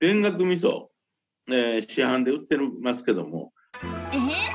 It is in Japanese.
市販で売ってますけども。